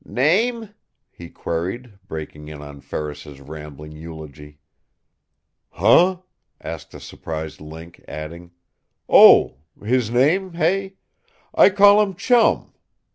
"Name?" he queried, breaking in on Ferris's rambling eulogy. "Huh?" asked the surprised Link, adding: "Oh, his name, hey? I call him 'Chum.'